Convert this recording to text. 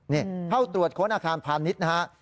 เนี่ยเค้าตรวจคนอาคารพาณิชย์นะครับ